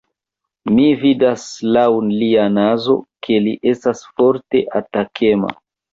Mi vidas laŭ lia nazo, ke li estas forte atakema.